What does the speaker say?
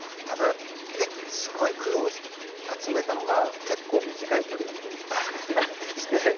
ただすごい苦労して集めたのが結構短い距離だったりして。